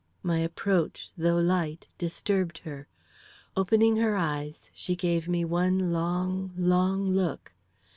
My approach, though light, disturbed her. Opening her eyes, she gave me one long, long look.